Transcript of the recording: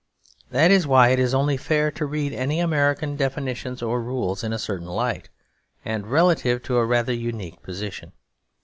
That is why it is only fair to read any American definitions or rules in a certain light, and relatively to a rather unique position.